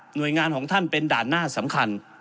โดยงานของท่านเป็นด่านหน้าสำคัญ